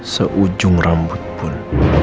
seujung rambut pun